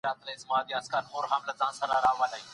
هوښيار زوم تر واده مخکي ناسمه پرېکړه نکوي.